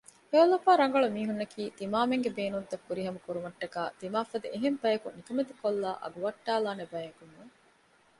ހެޔޮލަފާ ރަނގަޅު މީހުންނަކީ ތިމާމެންގެ ބޭނުންތައް ފުރިހަމަކުރުމަށްޓަކައި ތިމާފަދަ އެހެން ބަޔަކު ނިކަމެތިކޮށްލައި އަގުވައްޓައިލާނެ ބަޔަކުނޫން